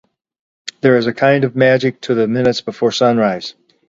There is a kind of magic to the minutes before sunrise.